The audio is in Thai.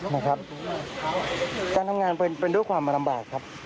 นะครับการทำงานเป็นด้วยความมาลำบากครับ